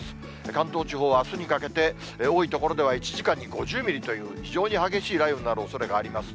関東地方はあすにかけて、多い所では１時間に５０ミリという、非常に激しい雷雨になるおそれがあります。